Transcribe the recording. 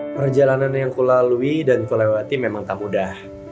perjalanan yang kulalui dan kulewati memang tak mudah